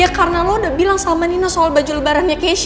ya karena lo udah bilang sama nino soal baju lebarannya kesh